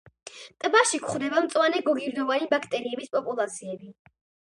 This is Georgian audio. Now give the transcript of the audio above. ტბაში გვხვდება მწვანე გოგირდოვანი ბაქტერიების პოპულაციები.